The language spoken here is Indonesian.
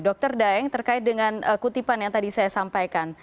dr daeng terkait dengan kutipan yang tadi saya sampaikan